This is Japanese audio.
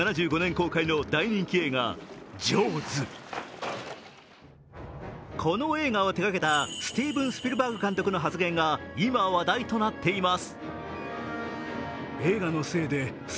この映画を手がけたスティーブン・スピルバーグ監督の発言が今、話題となっています。